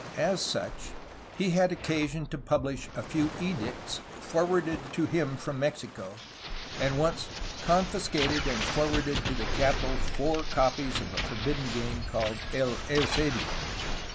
As such he had occasion to publish a few edicts forwarded to him from Mexico, and once ^'confiscated and forwarded to the capital four copies of a forbidden game called El Eus6bio."